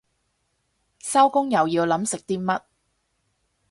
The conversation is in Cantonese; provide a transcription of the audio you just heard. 收工又要諗食啲乜